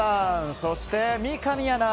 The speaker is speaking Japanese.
そして三上アナ。